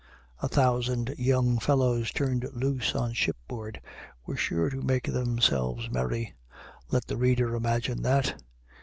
A thousand young fellows turned loose on shipboard were sure to make themselves merry. Let the reader imagine that!